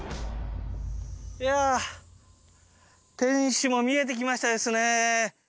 いや天守も見えてきましたですね。